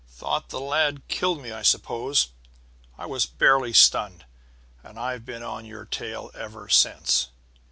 "Thought the lad killed me, I suppose. I was barely stunned. And I've been on your tail ever since."